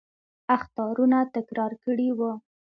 اخطارونه تکرار کړي وو.